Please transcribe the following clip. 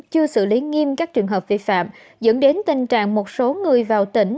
chưa xử lý nghiêm các trường hợp vi phạm dẫn đến tình trạng một số người vào tỉnh